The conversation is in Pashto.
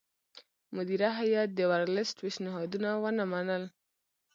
مدیره هیات د ورلسټ پېشنهادونه ونه منل.